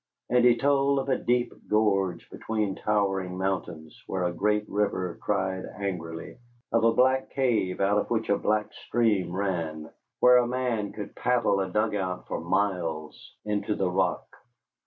And he told of a deep gorge between towering mountains where a great river cried angrily, of a black cave out of which a black stream ran, where a man could paddle a dugout for miles into the rock.